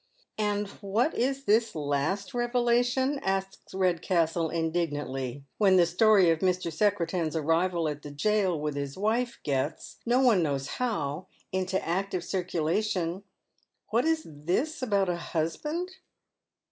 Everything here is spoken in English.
And what is this last revelation ? asks Redcastle indignantly, when the story of IMr. Secretan's arrival at the jail with his wife gets, no one knows how, into active circulation, — what is tliis about a husband